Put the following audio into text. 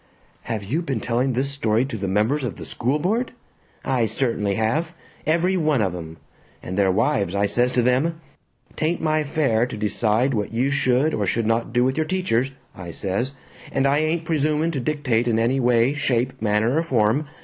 "Have you been telling this story to the members of the school board?" "I certainly have! Every one of 'em! And their wives I says to them, ''Tain't my affair to decide what you should or should not do with your teachers,' I says, 'and I ain't presuming to dictate in any way, shape, manner, or form.